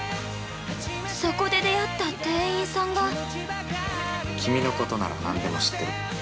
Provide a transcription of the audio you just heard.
そこで出会った店員さんが◆君のことなら何でも知ってる。